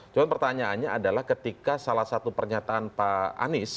cuma pertanyaannya adalah ketika salah satu pernyataan pak anies